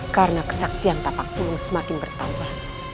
karena kesaktian tapak mulu semakin bertambah